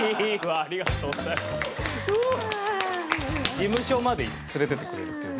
事務所まで連れていってくれるっていうね。